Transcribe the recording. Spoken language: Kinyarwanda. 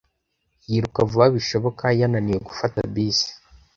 Yiruka vuba bishoboka, yananiwe gufata bisi.